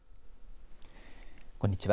こんにちは。